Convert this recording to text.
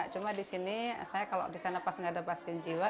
cuma di sini saya kalau di sana pas nggak ada pasien jiwa